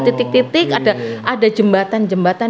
titik titik ada jembatan jembatan